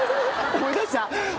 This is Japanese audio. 思い出した？